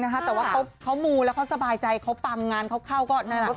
แต่ว่าเขามูแล้วเขาสบายใจเขาปังงานเขาเข้าก็น่ารัก